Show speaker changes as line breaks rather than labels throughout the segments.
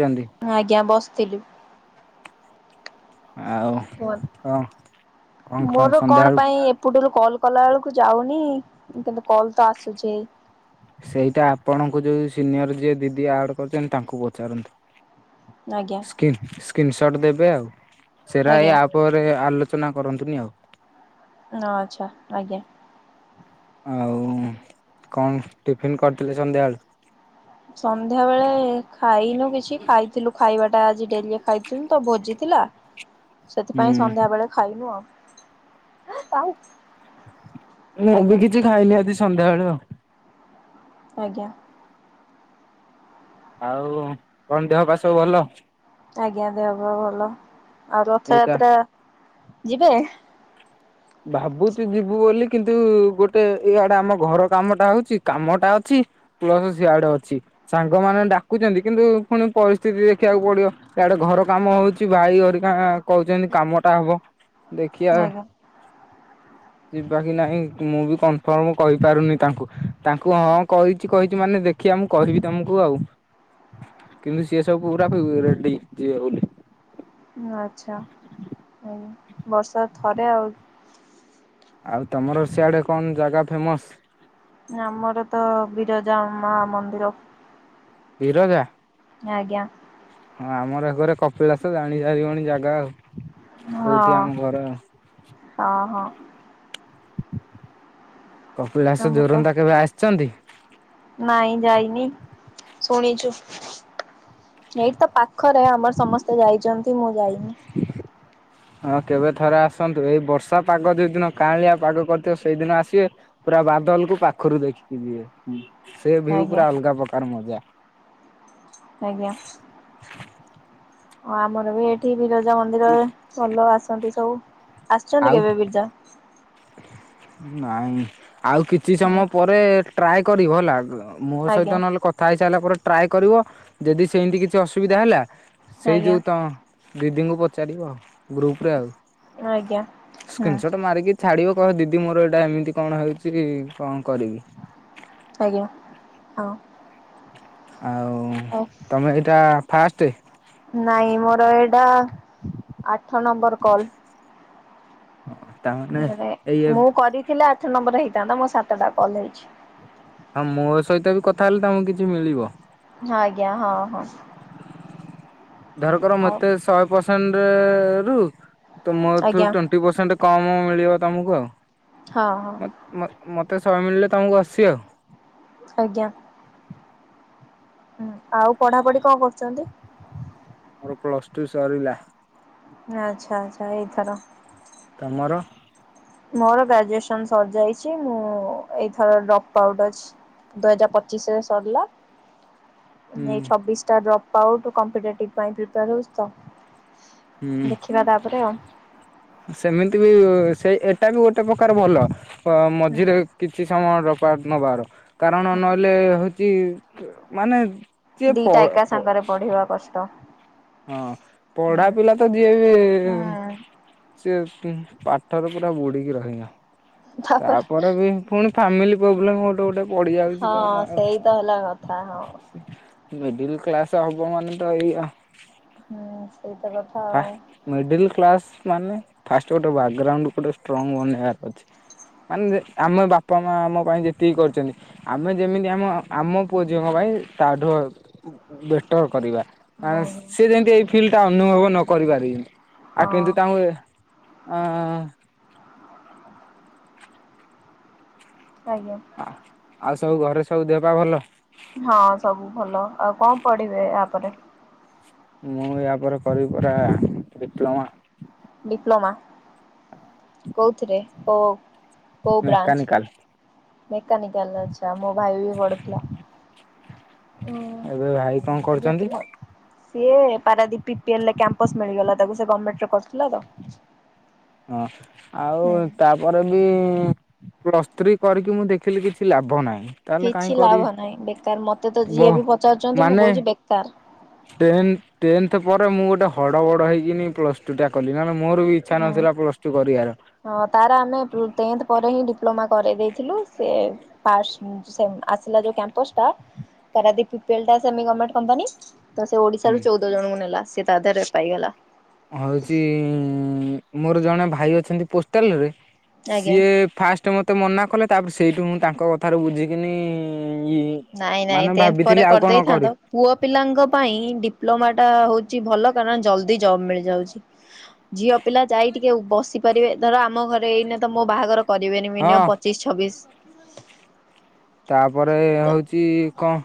ଛନ୍ତି
ମୁଁ ଆଜ୍ଞା ବସିଥିଲି।
ଆଉ କଣ ଖ
ମୋର କଣ
ସନ୍ଧ୍ୟାବେଳୁ
ପାଇଁ ଏପଟରୁ କଲ୍ କଲା ବେଳକୁ ଯାଉନି କିନ୍ତୁ କଲ୍ ତ ଆସୁଛି ହେଇ?
ସେଇଟା ଆପଣଙ୍କୁ ଯୋଉ ସିନିୟର ଯିଏ ଦିଦି ଆଡ୍ କରିଛନ୍ତି ତାଙ୍କୁ ପଚାରନ୍ତୁ।
ଆଜ୍ଞା
ସ୍କ୍ରିନସଟ୍ ଦେବେ ଆଉ ସେରା ଏଇ
ଆଜ୍ଞା
ଆପରେ ଆଲୋଚନା କରନ୍ତୁ ନି ଆଉ।
ଓ ଆଚ୍ଛା ଆଜ୍ଞା।
ଆଉ କଣ ଟିଫିନ୍ କରିଥିଲେ ସନ୍ଧ୍ୟାବେଳେ?
ସନ୍ଧ୍ୟା ବେଳେ ଖାଇନୁ କିଛି ଖାଇଥିଲୁ ଖାଇବା ଟା ଆଜି ଡେରିରେ ଖାଇଥିଲୁ ତ ଭୋଜି ଥିଲା ସେଥିପାଇଁ
ହୁଁ
ସନ୍ଧ୍ୟା ବେଳେ ଖାଇନୁ ଆଉ। [unintelligible]
ମୁଁ ବି
ଆଜ୍ଞା
କିଛି ଖାଇନି ଆଜି ସନ୍ଧ୍ୟାବେଳୁ ଆଉ।
ଆଜ୍ଞା।
ଆଉ କଣ ଦେହ ପା ସବୁ ଭଲ?
ଆଜ୍ଞା, ଦେହ ପା ଭଲ। ଆଉ,
ଏଇଟା
ରଥଯାତ୍ରା ଯିବେ?
ଭାବୁଛୁ ଯିବୁ ବୋଲି କିନ୍ତୁ ଗୋଟେ ଇଆଡେ ଆମ ଘର କାମଟା ହଉଛି କାମଟା ଅଛି ପ୍ଲସ ସିଆଡେ ଅଛି ସାଙ୍ଗମାନେ ଡାକୁଛନ୍ତି କିନ୍ତୁ ପୁଣି ପରିସ୍ଥିତି ଦେଖିବାକୁ ପଡିବ। ଆଡେ ଘର କାମ ହଉଛି ଭାଇ ହରିକା କହିଚନ୍ତି କାମ ଟା ହବ ଦେଖିବା
ଆଜ୍ଞା
ଯିବା କି ନାହିଁ ମୁଁ ବି କନଫର୍ମ କହିପାରୁନି, ତାଙ୍କୁ ତାଙ୍କୁ ହଁ କହିଛି କହିଛି ମାନେ ଦେଖିବା ମୁଁ କହିବି ତମକୁ ଆଉ। କିନ୍ତୁ ସିଏ ସବୁ ପୁରା ପୁ ରେଡି ଯିବେ ବୋଲି।
ଆଛା ହଉ ବର୍ଷରେ ଥରେ ଆଉ।
ଆଉ ତମର ସିଆଡେ କଣ ଜାଗା ଫେମସ୍?
ଆମର ତ ବିରଜା ମା ମନ୍ଦିର।
ବିରଜା?
ଆଜ୍ଞା।
ଆମର ଏ ଘରେ କପିଳାସ ଜାଣି ସାରି ଵଣି ଜାଗା ଆଉ।
ହଁ
କୋଉଠି ଆମ ଘର।
ହଁ ହଁ
କପିଳାସ
ଆମ ତ
ଜୋରନନ୍ଦା କେବେ ଆସିଛନ୍ତି?
ନାଇଁ ଯାଇନି ଶୁଣିଛୁ ଏଇଠି ତ ପାଖରେ ଆମର ସମସ୍ତେ ଯାଇଛନ୍ତି ମୁଁ ଯାଇନି
ହଁ କେବେ ଥରେ ଆସନ୍ତୁ ଏଇ ବର୍ଷା ପାଗ ଯୋଉ ଦିନ କାଁଳିଆ ପାଗ କରିଥିବ ସେଇଦିନ ଆସିବେ ପୁରା ପାଦଲ କୁ ପାଖରୁ ଦେଖିକି ଯିିବ ସେ ଭିୁ
ଆଜ୍ଞା
ପୁରା ଅଲଗା ପ୍ରକାର ମଜା
ଆଜ୍ଞା ଆ ଆମର ବି ଏଠି ବିରଜା ମନ୍ଦିରରେ ଭଲ ଆସନ୍ତି ସବୁ ଆସିଛନ୍ତି
ଆଉ
କେବେ ବିରଜା
ନାଇଁ ଆଉ କିଛି
ହଁ
ସମୟ ପରେ ଟ୍ରାଏ କରିବ ହେଲା। ମୋ
ଆଜ୍ଞା
ସହିତ ନହେଲେ କଥା ହେଇସାରିଲା ପରେ ଟ୍ରାଏ କରିବ ଯଦି ସେମିତି କିଛି ଅସୁବିଧା ହେଲା। ସେଇ
ଆଜ୍ଞା
ଯେଉ ତ ଦିଦିଙ୍କୁ ପଚାରିବ ଆ ଗ୍ରୁପ ରେ ଆଉ।
ଆଜ୍ଞା ହୁଁ।
ିବ କହ ଦିଦି ମୋର ଏଇଟା ଏମିତି କଣ ହେଉଛି କଣ କରିବି।
ଆଜ୍ଞା ହଁ।
ଆଉ ତମେ ଏଇଟା ଫାଷ୍ଟ।
ା ଆଠ ନମ୍ବର କଲ
ତାମାନେ ଏଇ ଏ
ମୁଁ କରିଥିଲା ଆ ନମ୍ବର ହେଇଥାନ୍ତା ମୋ ସାତଟା କଲ୍ ହେଇଛି
ହଁ ମୋ ସହିତ ବି କଥା ହେଲେ ତମକୁ କିଛି ମିଳିବ
ଆଜ୍ଞା ହଁ ହଁ।
ଧର କର
ଆଉ
ମତେ ଶହେ ପରସେଣ୍ଟ ରୁ ତ ମୋ ଏଥିରୁ
ଆଜ୍ଞା
ଟେଣ୍ଟି ପରସେଣ୍ଟ କମ ମିଳିବ ତମକୁ
ହଁ ହଁ।
ଆଉ ମତେ ଶ ମିଳିଲେ ତମକୁ ଆସିବ ଆଉ
ଆଜ୍ଞା। ହୁଁ ଆଉ ପଢାପଢି କଣ କରୁଛନ୍ତି।
ମୋର ପ୍ଲସ ଟୁ ସରିଲା।
ଆଚ୍ଛା ଆଚ୍ଛା ଏଇଥର
ତମର
ମୋର ଗ୍ରାଜୁଏସନ ସରିଯାଇଛି ମୁଁ ଏଇଥର ଡ୍ରପ୍ ଆଉଟ୍ ଅଛି। ଦୁଇ ହଜାର ପଚିଶରେ ସରିଲା
ହୁଁ
ଏଇ ଛବିଶ ଟା ଡ୍ରପ୍ ଆଉଟପଟିିପୋର ହଉଛି ତ
ହୁଁ
ଦେଖିବା ତାପରେ ଆଉ।
ସେମିତି ବି ସେଇ ଏଇଟା ବି ଗୋଟେ ପ୍ରକାର ଭଲ
ହୁଁ
ମଝିରେ କିଛି ସମୟ ନବାର କାରଣ
ହୁଁ
ନହେଲେ ହଉଛି ମାନେ ଯ
ଦିଟା ଏକା ସାଙ୍ଗରେ ପଢିବା କଷ୍ଟ
ହଁ ପଢା
ହୁଁ।
ପିଲା ତ ଯିଏ ବି
ହୁଁ
ସଏ ପାଠର ପୁରା ବୁଡିକି ରହି ତାପରେ ବି ପୁଣି ଫାମିଲି ପ୍ରୋବଲେମ୍ଉଟ ଗୋଟେ। ବଢି ଯାଉଛି
ହଁ
କଣ?
ସେଇ ତ ହେଲା କଥା ହଁ।
କ୍ଲାସ ହବ ମାନେ ତ ଏଇ
ହୁଁ। ସେଇତ କଥା
ଫ
ଆଉ
ମିଡିଲ୍ କ୍ଲାସ୍ ମାନେ ଫାଷ୍ଟ ଗୋଟେ ବକଗ୍ରାଉଣ୍ଡ ଗୋଟେ ଷ୍ଟ୍ରଙ୍ଗ ବନେଇବାର ଅଛି ମାନେ ଆମ ବାପା ମା ଆମ ପାଇଁ ଯେତିକି କରିଛନ୍ତି ଆମେ ଯେମିତି ଆମ ଆମ ପୁଅ ଝିଅଙ୍କ ପାଇଁ ତାଠୁ ବେଟର କରିବା। ମାନେ
ଆଜ୍ଞା
ସି ଯେମିତି ଏଇ ଫିଲ୍ ଟା ଅନୁଭବ ନ କରି ପାରିବମତି ଆ
ହଁ
କେନ୍ତୁ ତାଙ୍କୁ ଅ
ଆଜ୍ଞା।
ଆ ଆଉ ସବୁ ଘରେ ସବୁ ଦେହ ପା ଭଲ।
ହଁ ସବୁ ଭଲ ଆଉ କଣ ପଢିବେ ଏହାୟପରେ
ମୁଁ ୟା ପରେରେ କରିବି ପୁରା ଡିପ୍ଲୋମା
ଡିପ୍ଲୋମା କୋଉଥିରେ ଓ
ମେକାନିକାଲ
ମେକାନିକାଲ ଅଛା ମୋ ଭାଇ ବି ପଢୁଥିଲା। ଉଁ
ଏବେ ଭାଇ କଣ
ଆଚ୍ଛା
କରୁଛନ୍ତି?
ତୁମ ସିଏ Paradip P P L campus ମିଳିଗଲା ତାକୁ ସେ ଗମେଣ୍ଟ ରେ କରୁଥିଲା ତ।
ହଁ ଆଉ
ହୁଁ
ତାପରେ ବି ପ୍ଲସ୍ ଥ୍ରୀ କରିକି ମୁଁ ଦେଖିଲି କିଛି ଲାଭ ନାହିଁ। ତାହେଲେ କାହିଁ
କିଛି ଲାଭ
କରିବି
ନାହିଁ ବେକାର ମତେ ତ
ବ
ଯିଏ ବି ପଚାରୁଛନ୍ତି ମୁଁ
ମାନେ
କହୁଛି ବେକାର।
ଟେନ୍- ଟେନ୍ଥ ପରେ ମୁଁ ଗୋଟେ ହଡ଼ ବଡ଼ ହେଇକିନି ପ୍ଲସ ଟୁ ଟା କଲି ମୁ ମାନେ
ହଁ ହଁ ତାର ଆମେ ଟେନ୍ଥ ପରେ ହିଁ ଡିପ୍ଲୋମା କରେଇ ଦେଇେଇଥିଲୁ ସେ ଫାଷ୍ଟ୍ ଆସିଲା ଯୋଉ କ୍ୟାମ୍ପସ ଟା ପାରାଦୀପ ପିପିଏଲ ଟା ସେମି ଗଭର୍ମେଣ୍ଟ କମ୍ପାନି ତ ସେ
ହୁଁ
ଓଡିଶାରୁ ଚଉଦ ଜଣଙ୍କୁ ନେଲା ସେ ତା ଦେହରେ ପାଇଗଲା।
ହଉଛି ମୋର ଜଣେ ଭାଇ ଅଛନ୍ତି ପୋଷ୍ଟାଲ ରେ
ଆଜ୍ଞା।
ସିଏ ଫାଷ୍ଟ ମତେ ମନା କଲେ ତାପରେ ସେଇଠୁ ହଁ ତାଙ୍କ କଥାରୁ ବୁଝିକିନି ଇ
ନାଇଁ ନାଇଁ
ମାନେ
ଟେନ୍ଥ ପରେ
ଭାବିଥିଲି ଆଉ କଣ
କରିଦେଇଥାନ୍ତ
କରିବି
ପୁଅ ପିଲାଙ୍କ ପାଇଁ ଡିପ୍ଲୋମା ଟା ହଉଛି ଭଲ କାରଣ ଜଲଦି ଜୋବ୍ ମିଳିଯାଉଛି, ଝିଅ ପିଲା ଯାଇକି ଟିକେ ବସିପରିବେ ଧର ଆମର ଆମ ଘରେ ଏଇନ ତ ମୋ ବାହାଘର କରିବେନି
ହଁ
ମିନିମମ୍ ପଚିଶ ଛବିଶ
ତାପରେ ହଉଛି କଣ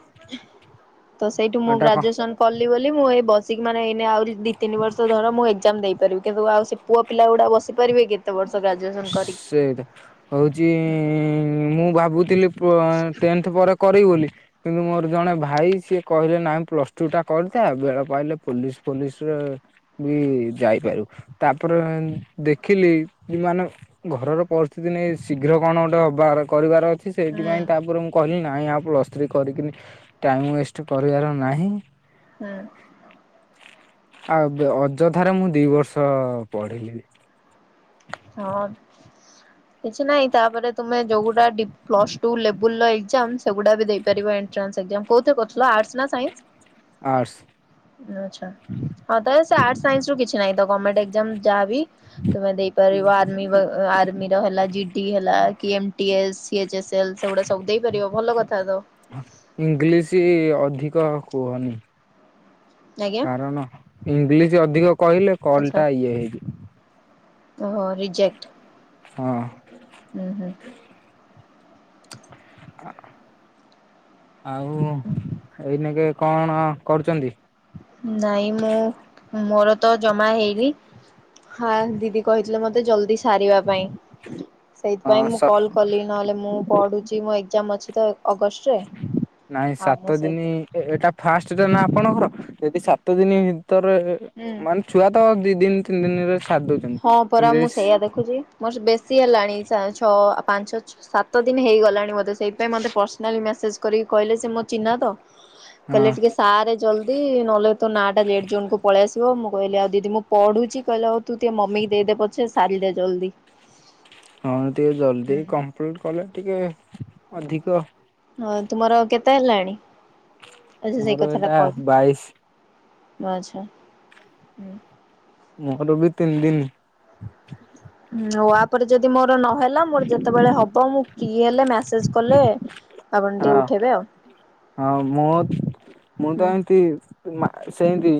ତ ସେଇଠୁ ମୁଁ
ଏଟା କଣ
ଗ୍ରାଜୁଏସନ କଲି ବୋଲି ମୁଁ ଏଇ ବସିକ ମାନେ ଏଇ ଆଉରି ଦି ତିନି ବର୍ଷ ଧର ମୁଁ ଏଜ୍ଜାମ ମଦେଇପାରିବି କିନ୍ତୁ ଆଉ ସେ ପୁଅ ପିଲା ଗୁଡ଼ ବସିକି
ସେଇଟା ହଉଛି ମୁଁ ଭାବୁଥିଲି ଟେନ୍ଥ ପରେ କରିବ ବୋଲି କିନ୍ତୁ ମୋର ଜଣେ ଭାଇ ସିଏ କହିଲେ ନାଇଁ ପ୍ଲସ ଟୁ ଟା କରିଥାଏ ବେଳ ପାଇଲେ ପୋଲିସ ଫୋଲିସରେ ବି ଯାଇପାରୁ ତାପରେ ଦେଖିଲ ମାନେ ଘରର ପରିସ୍ଥିତି ନେଇ ଶୀଘ୍ର କଣ ଗୋଟେ ହବାର କରିବାର
ହୁଁ
ସେଥିପାଇଁ ତାପରେ ମୁଁ କହିଲି ନାଇଁ ଆ ପ୍ଲସଥ୍ରୀ କରିକ ଟାଇମ ୱେଷ୍ଟ କରିବାର ନାହିଁ।
ହୁଁ।
ଆଉ ଅଯୋଧ୍ୟାରେ ମୁଁ ଦି ବର୍ଷ ପଢ଼ିଲି।
ହଁ। କିଛି ନାଇଁ ତାପରେ ତମେ ଯୋଉଗୁଟା ପ୍ଲସ୍ ଟୁ ଲେବୁଲ ର ଏଜ୍ଜାମ ସେଗୁଡ଼ା ବି ଦେଇପାରିବ ଏ ଚନ୍ସ ସେଜଞ [unintelligible] କୋଉଥିରେ କରୁଥିଲ ଆର୍ଟ ନ ସାଇନ୍ସ,
ଆର୍ଟସ୍
ଆଚ୍ଛା ତାହେଲେ ସେ ଆର୍ଟ ଆର୍ଟ, ସାଇନ୍ସ କିଛି ନାହିଁ ଗର୍ମେଣ୍ଟ ଯାହା ବି ତମେ ଦେଇପାରିବ ଆର୍ମି ବ - army G T, M T S, C H S L, ସେଗୁଡ଼ା ସବୁ ଦେଇ ପତିବୋ ଭଲ କଥା ତ।
ଇଂଲିଶ ଅଧିକ କୁହନି।
ଆଜ୍ଞା
କାରଣ ଇଂଲିଶ ଅଧିକ କହିଲେ କଲ
ଆଚ୍ଛା
ଟା ଇଏ ହେଇଯିବ।
ଓହୋ ରିଜେକ୍ଟ?
ହଁ।
ହୁଁ ହୁଁ
ଆଉ ଏଇ ନ କେ କଣ କରୁଛନ୍ତି?
ନାଇଁ ମୁଁ ମୋର ତ ଜମା ହେଇନି। ହଁ ଦିଦି କହିଥିଲେ ମତେ ଜଲଦି ସାରିବା ପାଇଁ।
ହଁ
ସେଇଥିପାଇଁ ମୁଁ
ସ
କଲ କଲି ନହେଲେ ମୁଁ ପଢୁଛି ମୋ ଏକ୍ଜାମ ଅଛି ତ ଅଗଷ୍ଟରେ
ନାଇଁ
ଆଉ ମୁଁ
ସାତ ଦିନ
ସେଇଥି
ଏଇଟା ଫାଷ୍ଟଟା ନା ଆପଣଙ୍କର ଯଦି ସାତ ଦିନ ଭିତରେ
ହୁଁ
ମାନେ ଛୁଆ ତ ଦି ଦିନ ତିନି ଦିନରେ ସାରି ଦଉଛନ୍ତି
ହଁ ପରା
କିନ୍ତୁ
ମୁଁ
ଯଦି
ସେଇଆ ଦେଖୁଛି ମୋର ବେଶ ଆସି ହେଲାଣି ଛଅ ପାଞ୍ଚ ସାତ ଦିନ ହେଇଗଲାଣି ମୋତେ ସେଇପାଇଁ ମୋତେ ପର୍ସନାଲି ମେସେଜ୍ କରି କହିଲେ ସେ ମୋ ଚିହ୍ନା ତ
ହଁ
କହିଲେ ଟିକେ ସାରେ ଜଲ୍ଦି ନହେଲେ ତୋ ନାଁଟା ଲେଟ୍ ଜୋନ କୁ ପଳେଇ ଆସିବ ମୁଁ କହିଲି ଆଉ ଦିଦି ମୁଁ ପଢ଼ଛି କହିଲା ହଉ ତୁ ତୋ ମମିକୁ ଦେଇଦେ ପଛେ ସାରିଦେ ଜଲଦି।
ହଁ ଟିକେ ଜଲଦି କମ୍ପ୍ଲିଟ କଲେ ଟିକେ ଅଧିକ
ହଁ ତୁମର କେତେ ହେଲାଣି। ଆଛା ସେଇ
ମୋର
କଥାଟା
ଏଇଟା ବାଇଶ
କହିବି। ଆଛା ହୁଁ।
ମୋହର ବି ତିନି ଦିନି।
ନୂଆ ଆପରେ ଯଦି ମୋର ନହେଲା ମୋର ଯେତେବେଳେ ହବ ମୁଁ ଫ୍ରି ହେଲେ ମେସେଜ କଲେ ଆପଣ ଟିକେ
ହଁ
ଉଠାଇବେ ଆଉ।
ହଁ ମୁଁ ମୁଁ ତ
ହୁଁ
ଏମିତି। ସେମତି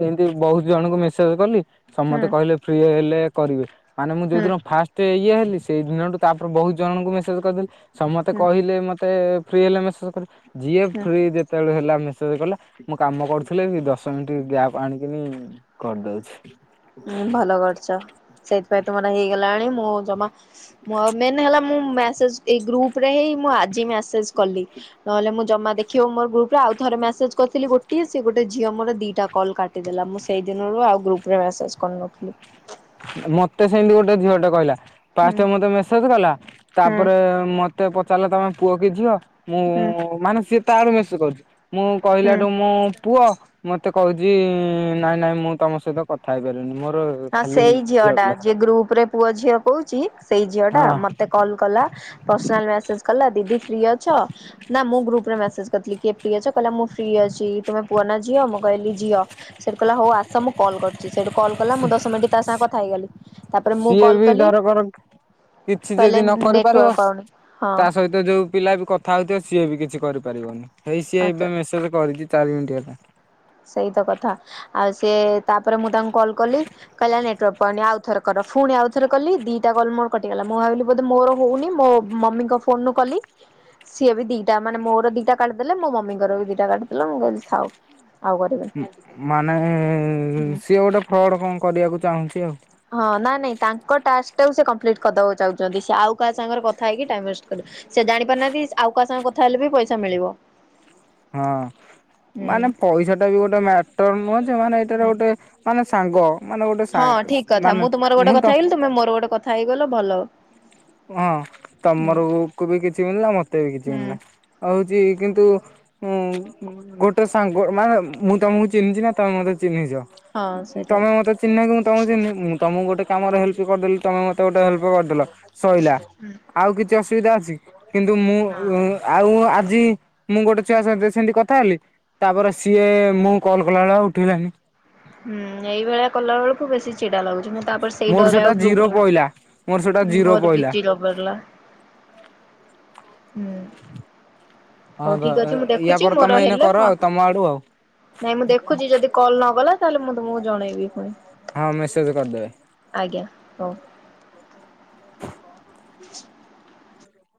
ସେମତି ବହୁତ ଜଣଙ୍କୁ ମେସେଜ କଲି। ସମସ୍ତେ
ହୁଁ
କହିଲେ ଫ୍ରି ହେଲେ କରିବେ ମାନେ ମୁଁ
ହୁଁ
ଯୋଉଦିନ ଫାଷ୍ଟ ଇଏ ହେ ସେଇ ଦିନଠୁ ତାପରେ ବହୁତ ଜଣଙ୍କୁ ମେସେଜ କରିଦେଲି ସମସ୍ତେ
ହୁଁ
କହିଲେ ମତେ ତେ ଫ୍ରି ହେଲେ ମେସେଜ କରିବେ ଯିଏ
ହୁଁ
ଫ୍ରି ଯେତେବେଳେ ହେଲାେ ସେ କଲା ମୁଁ କାମ କରୁଥିଲି ଦଶ ମିନିଟ୍ ଗ୍ୟାପ ଆଣିକିନି କରିଦଉଛି।
ଭଲ କରିଛ ସେଇଥିପାଇଁ ତୁମର ହେଇଗଲାଣି ମୁଁ ଜମା ମୁଁ ଆଉ ମେନ୍ ହେଲା ମୁଁ ମେସେଜ ଏଇ ଗ୍ରୁପରେ ହିଁ ମୁଁ ଆଜି ମସେଜ କଲି ନହେଲେ ମୁଁ ଜମା- ଦେଖିବ ମୋ ଗ୍ରୁପରେ ଆଉ ଥରେ ମେସେଜ କରିଥିଲି ଗୋଟିଏ ସେ ଗୋଟେ ଝିଅ ମୋର ଦିଟା କଲ୍ କାଟିଦେଲା ମୁଁ ସେଇ ଦିନରୁ ଆଉ ଗ୍ରୁପରେ ମେସେଜ କରିନଥିଲି।
ମତେ ସେମିତି ଗୋଟେ ଝିଅ ଟେ କହିଲା।
ହୁଁ
ପାଷ୍ଟେ ମତେ ମେସେଜ କଲା
ହୁଁ
ତାପରେ ମତେ ପଚାରିଲା ତମେ ପୁଅ କି ଝିଅ ମୁଁ
ହୁଁ
ମାନେ ସିଏ ତା ଆଡୁ ମେସେଜ କରୁଚି। ମୁଁ
ହୁଁ।
କହିଲାଠୁ ମୁଁ ପୁଅ ମତେ କୋହୁଚି ନାଇଁ ନାଇଁ ମୁଁ ତମ ସହିତ କଥା ହେଇପାରିବିନି ମୋର
ହଁ
ଖାଲି
ସେଇ ଝିଅ ଟା
ପିଲା
ଯିଏ ଗ୍ରୁପ ରେ ପୁଅ ଝିଅ କୋହୁଚି ସେଇ ଝିଅ ଟା
ହଁ
ମତେ କଲ କଲା। ପର୍ସିନାଲ ମେସେଜ କଲା ଦିଦି ଫ୍ରି ଅଛ ନା ମୁଁ ଗ୍ରୁପ ରେ ମେସେଜ୍ କରିଥିଲି କିଏ ଫ୍ରି ଅଛ କହିଲା ମୁଁ ଫ୍ରି ଅ ଚି ତମେ ପୁଅ ନା ଝିଅ ମୁଁ କହିଲିି ଝିଅ ସେଠୁ କହିଲା ହୋଉ ଆସ ମୁଁ କଲ କରୁଚି। ସେଠୁ କଲ ମୁଁ ଦଶ ମିନିଟ ତା ସାଙ୍ଗ କଥା ହେଇଗଲି ତାପରେ ମୁଁ
ସିଏ
କଲ୍
ବି
କଲି
ଧରକର କିଛି
କହିଲେ
ଯଦି ନ କରି
ନେଟୱାର୍କ
ପାରିବ
ପାଉନି ହଁ
ତା ସହିତ ଯୋଉ ପିଲା ବି କଥା ହୋଉଥିବ ସିଏ ବି କିଛି କରିପାରିବନି ହେଇ ସିଏ
ହଁ
ଏବେ ମେସେଜ କରିଚି ଚାରି ମିନିଟ ହେଲା।
ସେଇତ କଥା ଆଉ ସିଏ ତାପରେ ମୁଁ ତାଙ୍କୁ କଲ କଲି କହିଲା ନେଟୱାର୍କ ପାଉନି ଆଉଥରେ କର। ଫୁଣି ଆଉ ଥରେ କଲି ଦିଇଟା କଲ ମୋର କଟିଗଲା ମୁଁ ଭାବିଲି ବୋଧେ ମୋର ହୋଉନି ମୋ ମମିଙ୍କ ଫୋନରୁୁ କଲି ସିଏ ବି ଦିଇଟା ମାନେ ମୋର ଦିଇଟା କାଟିଦେଲେ ମୋ ମମିଙ୍କର ବି ଦିଇଟା କାଟିିଦେଲେ ମୁଁ କହିଲି ଥାଉ। ଆଉ କରିବିନି।
ଉଁ ମାନେ ସିଏ ଗୋଟେ ଫ୍ରଡ୍ କଣ କରିବାକୁ ଚାହୁଁଚି ଆଉ।
ହଁ ନା ନାଇଁ ତାଙ୍କ ଟାସ୍କ ଟାକୁ ସେ କମ୍ପ୍ଲିଟ୍ କରିଦବାକୁ ଚାହୁଁଚନ୍ତି ସେ ଆଉ କାହା ସାଙ୍ଗରେ କଥା ହେଇକି ଟାଇମ୍ ୱେଷ୍ଟେ କରି ସେ ଜାଣି ପାରୁନାହାନ୍ତି ଆଉ କାହା ସାଙ୍ଗେ କଥା ହେଲେ ବି ପଇସା ମିଳିବ।
ହଁ
ହୁଁ।
ମାନେ ପଇସା ଟା ବି ଗୋଟେ ମ୍ୟାଟର ନୁହଁ ଯେ ମାନେ ଏଇଟାରେ
ହୁଁ
ଗୋଟେ ମାନେ ସାଙ୍ଗ। ମାନେ ଗୋଟେ ସା
ହଁ ଠିକ କଥା
ମାନେ
ମୁଁ ତୁମର ଗୋଟେ କଥା
ତ
ହେଇଗଲିି ତୁମେ ମୋର ଗୋଟେ କଥା ହେଇଗଲ ଭଲ।
ହଁ
ହୁଁ
ତମର କୁ ବି କିଛି ମିଳିଲା ମତେ ବି କିଛି
ହୁଁ
ମିଳିଲା। ଆଉ ହୋଉଚି କିନ୍ତୁ ଉଁ ଗୋଟେ ସାଙ୍ଗ ମାନେ ମୁଁ ତମକୁ ଚିହ୍ନିଚି ନା ତମେ ମତେ ଚି ଚିହ୍ନିଚ
ହଁ ସେଇଟା।
ତମେ ମତେ ଚିହ୍ନିନ କି ମୁଁ ତମକୁ ଚିହ୍ନିନି ମୁଁ ତମକୁ ଗୋଟେ କାମରେ ହେଲ୍ପ କରିଦେଲି ତମେ ମତେ ଗୋଟେ ହେଲ୍ପ କରିଦେଲ ସଇଲା
ହୁଁ
ଆଉ କିଛି ଅସୁବିଧା ଅଛି କି? କିନ୍ତୁ ମୁଁ
ନା।
ଆଉ ଆଜି ମୁଁ ଗୋଟେ ଛୁଆ ସହିତ ସେମତି କଥା ହେଲି। ତାପରେ ସିଏ ମୁଁ କଲ କଲାବେଳକୁ ଉଠେଇଲାନି।
ହୁଁ ଏଇଭଳିଆ କଲାବେଳକୁ ବେଶି ଚିଡା ଲାଗୁଛି ମୁଁ ତାପରେ ସେଇ
ମୋର
ଡରରେ
ସେଟା
ଆଉ ଗ୍ରୁପ୍
ଜିରୋ
ରେ
ପଇଲା ମୋର ସେଟା
[unintelligible]
ଜିରୋ
ମୋରବି
ପଇଲା।
ଚିଡା ବଢିଲା। ହୁଁ।
ହଁ
ହୋଉ ଠିକ୍ ଅଛି ମୁଁ
ୟା
ଦେଖୁଛି
ପରେ ତମେ
ମୋର
ଏଇନେ
ହେଲେ
କର
ମୁଁ ଆ
ଆଉ ତମ ଆଡୁ ଆଉ।
ନାଇଁ ମୁଁ ଦେଖୁଛି ଯଦି କଲ ନଗଲା ତାହେଲେ ମୁଁ ତୁମକୁ ଜଣେଇବି
ହଁ ମେସେଜ କରିଦେବେ।
ଆଜ୍ଞା ହଉ। [inaudible]